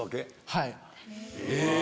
はい。